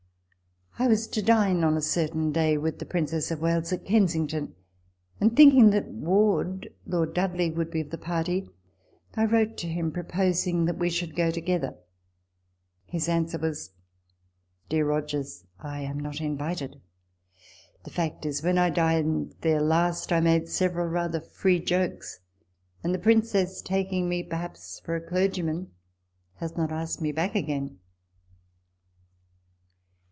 I was to dine on a certain day with the Princess of Wales at Kensington, and, thinking that Ward (Lord Dudley) was to be of the party, I wrote to him, proposing that we should go together. His answer was, " Dear Rogers, I am not invited. The fact is, when I dined there last, I made several rather free jokes ; and the Princess, taking me perhaps for a clergyman, has not asked me back again."